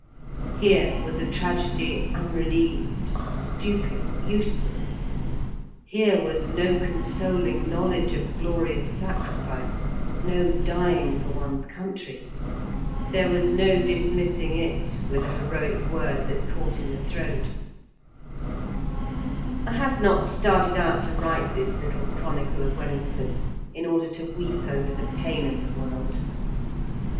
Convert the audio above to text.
Here was a tragedy unrelieved, stupid, useless. Here was no consoling knowledge of glorious sacrifice; no dying for one's country. There was no dismissing it with a heroic word that caught in the throat. I have not started out to write this little chronicle of Wellingsford in order to weep over the pain of the world.